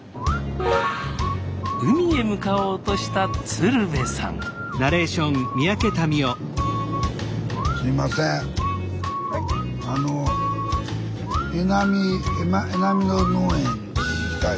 海へ向かおうとした鶴瓶さんエナミド農園？